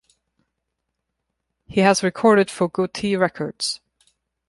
He has recorded for Gotee Records.